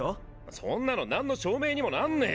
そんなの何の証明にもなんねぇよ。